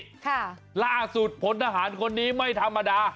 ค่ะล่าสุดพลทหารคนนี้ไม่ธรรมดา